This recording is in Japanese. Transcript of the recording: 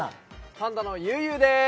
パンダのゆうゆうでーす。